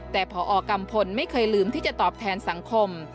แต่พอกัมพลไม่เคยลืมที่จะตอบแทนสังคม